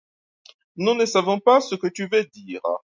Nous ne savons pas ce que tu veux dire.